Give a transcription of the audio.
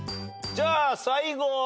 じゃあ最後。